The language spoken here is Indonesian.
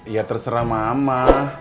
ya terserah mama